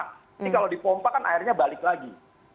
ini kalau dipompa kan airnya balik lagi